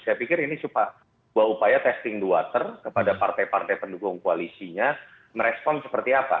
saya pikir ini sebuah upaya testing the water kepada partai partai pendukung koalisinya merespon seperti apa